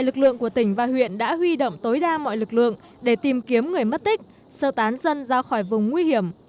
lực lượng của tỉnh và huyện đã huy động tối đa mọi lực lượng để tìm kiếm người mất tích sơ tán dân ra khỏi vùng nguy hiểm